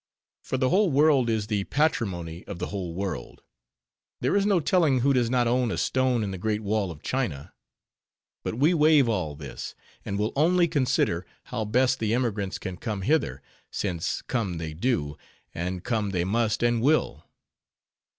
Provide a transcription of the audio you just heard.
For the whole world is the patrimony of the whole world; there is no telling who does not own a stone in the Great Wall of China. But we waive all this; and will only consider, how best the emigrants can come hither, since come they do, and come they must and will.